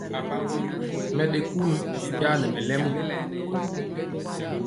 Mɛ ɗe kunu jaa nɛ mɛlɛmɔ.